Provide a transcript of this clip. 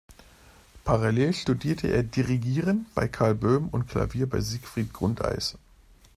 Parallel studierte er Dirigieren bei Karl Böhm und Klavier bei Sigfrid Grundeis.